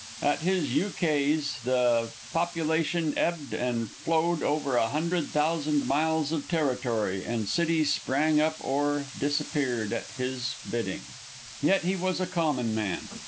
At his ukase the population ebbed and flowed over a hundred thousand miles of territory, and cities sprang up or disappeared at his bidding. Yet he was a common man.